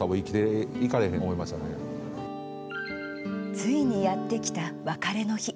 ついにやってきた別れの日。